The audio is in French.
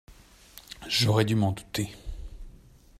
J’aurais dû m’en douter.